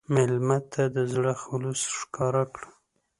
مېلمه ته د زړه خلوص ښکاره کړه.